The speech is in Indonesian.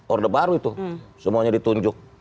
orde baru itu semuanya ditunjuk